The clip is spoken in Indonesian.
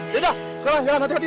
yaudah kelar yaudah nanti ke atin